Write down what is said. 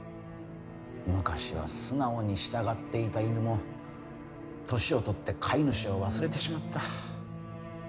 昔は素直に従っていた犬も年を取って飼い主を忘れてしまった。